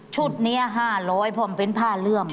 ชุดนี้๕๐๐บาทเพียงผ้าเลื่อม